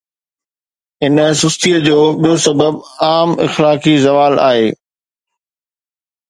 ان سستيءَ جو ٻيو سبب عام اخلاقي زوال آهي.